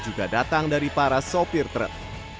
juga datang dari para sopir truk